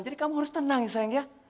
jadi kamu harus tenang sayang ya